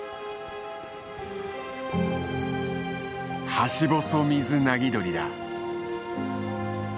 ハシボソミズナギドリだ。